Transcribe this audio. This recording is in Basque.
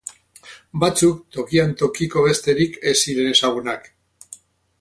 Batzuk tokian tokiko besterik ez ziren ezagunak.